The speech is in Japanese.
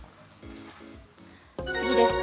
次です。